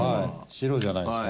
白じゃないですか。